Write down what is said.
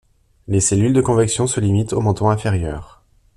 Les cellules de convection se limitent au manteau inférieur.